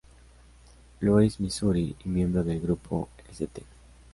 Louis, Missouri, y miembro del grupo St.